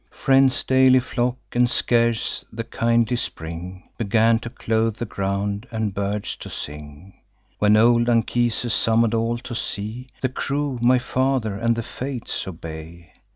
Friends daily flock; and scarce the kindly spring Began to clothe the ground, and birds to sing, When old Anchises summon'd all to sea: The crew my father and the Fates obey.